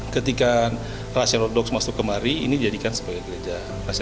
ketika rasen ortodoks masuk kemari ini dijadikan sebagai gereja